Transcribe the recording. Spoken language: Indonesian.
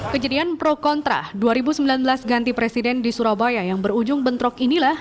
kejadian pro kontra dua ribu sembilan belas ganti presiden di surabaya yang berujung bentrok inilah